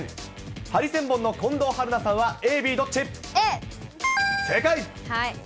ハリセンボンの近藤春菜さんはＡ、Ａ。